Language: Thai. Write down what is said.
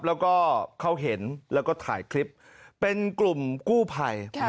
แล้วก็เขาเห็นแล้วก็ถ่ายคลิปเป็นกลุ่มกู้ภัย